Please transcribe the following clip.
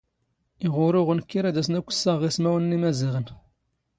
ⵉⵖ ⵓⵔⵓⵖ ⵏⴽⴽⵉ ⵔⴰⴷ ⴰⵙⵏ ⴰⴽⴽⵯ ⵙⵙⴰⵖⵖ ⵉⵙⵎⴰⵡⵏ ⵏ ⵉⵎⴰⵣⵉⵖⵏ.